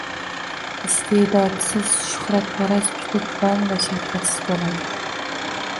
Iste’dodsiz shuhratparast juda tuban va shafqatsiz bo’ladi.